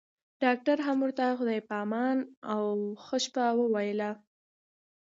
ډاکټر هم ورته خدای په امان او ښه شپه وويله.